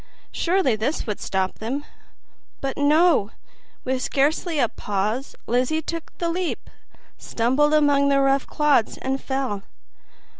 Surely this would stop them! But no; with scarcely a pause Lizzie took the leap, stumbled among the rough clods and fell.